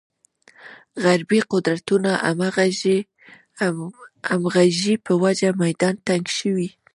غربې قدرتونو همغږۍ په وجه میدان تنګ شوی.